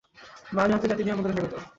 Miami আন্তর্জাতিক বিমানবন্দরে স্বাগত।